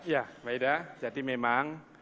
ya maeda jadi memang